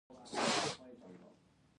زه د سخیانو یم او د شومانو ګدا نه یمه.